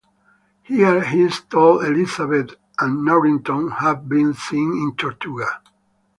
Here he is told Elizabeth and Norrington have been seen in Tortuga.